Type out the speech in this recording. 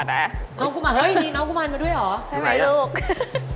เฮ้ยน้องกุมานมาด้วยหรือ